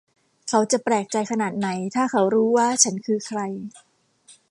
เขาจะแปลกใจขนาดไหนถ้าเขารู้ว่าฉันคือใคร